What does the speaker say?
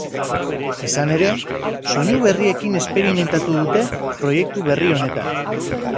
Izan ere, soinu berriekin esperimentatu dute proiektu berri honetan.